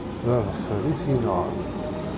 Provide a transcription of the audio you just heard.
D adfel i t-yenɣan.